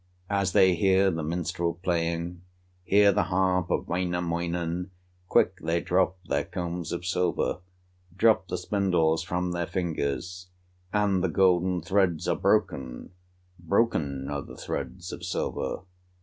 As they hear the minstrel playing, Hear the harp of Wainamoinen, Quick they drop their combs of silver, Drop the spindles from their fingers, And the golden threads are broken, Broken are the threads of silver.